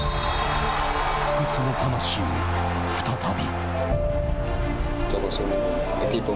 不屈の魂、再び。